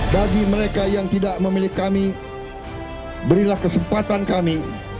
bagi mereka yang tidak memilih kami berilah kesempatan kami